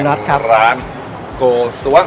สุนทรของร้านโกสวง